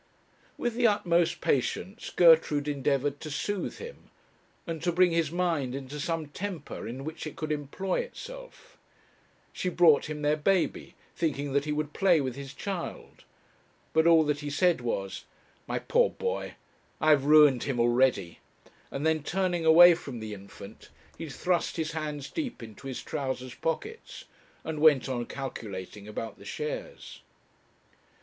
With the utmost patience Gertrude endeavoured to soothe him, and to bring his mind into some temper in which it could employ itself. She brought him their baby, thinking that he would play with his child, but all that he said was 'My poor boy! I have ruined him already;' and then turning away from the infant, he thrust his hands deep into his trousers pockets, and went on calculating about the shares.